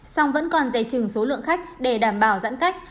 song vẫn còn dày trừng số lượng khách để đảm bảo giãn cách